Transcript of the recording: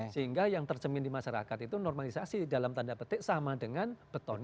sehingga yang tercemin di masyarakat itu normalisasi dalam tanda petik sama dengan beton